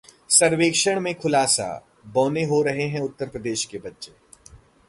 सर्वेक्षण में खुलासा, बौने हो रहे हैं उत्तर प्रदेश के बच्चे